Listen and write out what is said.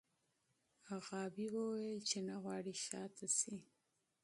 غابي وویل چې نه غواړي شا ته شي.